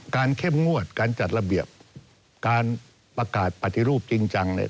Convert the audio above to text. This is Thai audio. เข้มงวดการจัดระเบียบการประกาศปฏิรูปจริงจังเนี่ย